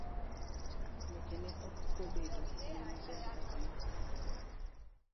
Weche ne okobedo ne maber kaka ne oparo.